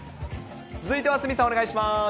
続いては鷲見さん、お願いします。